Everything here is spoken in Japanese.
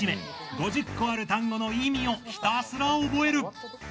５０個ある単語の意味をひたすら覚える。